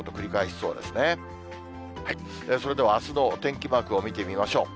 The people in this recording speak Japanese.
それでは、あすのお天気マークを見てみましょう。